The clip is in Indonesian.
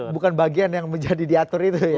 bukan bagian yang menjadi diatur itu ya